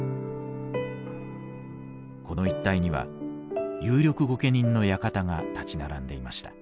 この一帯には有力御家人の館が立ち並んでいました。